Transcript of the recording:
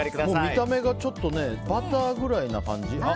見た目がちょっとバターくらいな感じ？